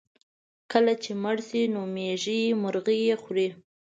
کله چې مړه شي نو مېږي مرغۍ خوري.